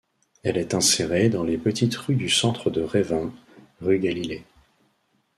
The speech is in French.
Elle est insérée dans les petites rues du centre de Revin, rue Galilée.